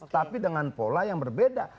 tapi dengan pola yang berbeda